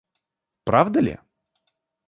Правда ли?